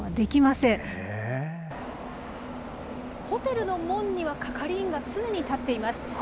ホテルの門には、係員が常に立っています。